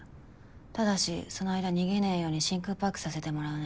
ただしその間逃げねぇように真空パックさせてもらうね。